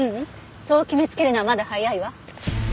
そう決めつけるのはまだ早いわ。